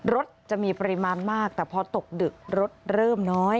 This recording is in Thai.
รถจะมีปริมาณมากแต่พอตกดึกรถเริ่มน้อย